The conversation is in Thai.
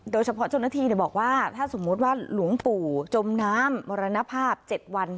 โดยเฉพาะเจ้าหน้าที่บอกว่าถ้าสมมุติว่าหลวงปู่จมน้ำมรณภาพ๗วัน